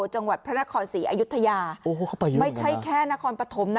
จังหวัดพระนครศรีอายุทยาไม่ใช่แค่นครปฐมนะ